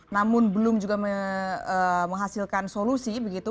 namun belum juga menghasilkan solusi begitu